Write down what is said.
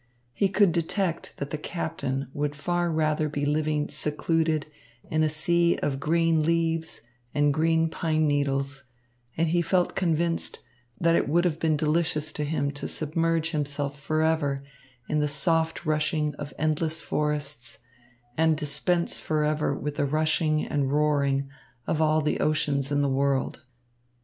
He could detect that the captain would far rather be living secluded in a sea of green leaves and green pine needles; and he felt convinced that it would have been delicious to him to submerge himself forever in the soft rushing of endless forests and dispense forever with the rushing and roaring of all the oceans in the world.